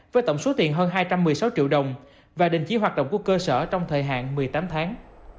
với tổng số tiền hơn hai trăm một mươi sáu triệu đồng và đình chỉ hoạt động của cơ sở trong thời hạn một mươi tám tháng